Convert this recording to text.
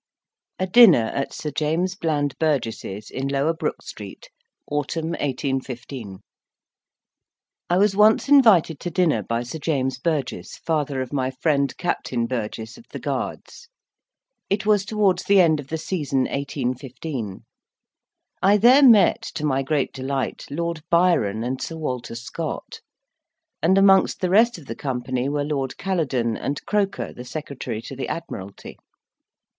A DINNER AT SIR JAMES BLAND BURGES'S, IN LOWER BROOK STREET; AUTUMN, 1815 I was once invited to dinner by Sir James Burges, father of my friend, Captain Burges, of the Guards: it was towards the end of the season 1815. I there met, to my great delight, Lord Byron and Sir Walter Scott; and amongst the rest of the company were Lord Caledon, and Croker, the Secretary to the Admiralty.